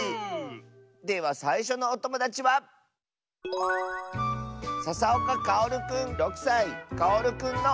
ではさいしょのおともだちはかおるくんの。